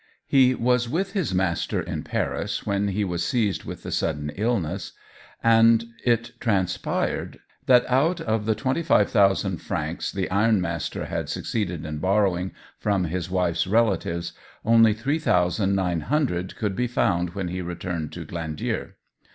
He was with his master in Paris when he was seized with the sudden illness, and it transpired that out of the 25,000 francs the ironmaster had succeeded in borrowing from his wife's relatives, only 3,900 could be found when he returned to Glandier.